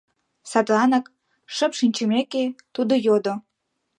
Садланак, шып шинчымеке, тудо йодо: